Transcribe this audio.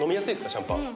シャンパン。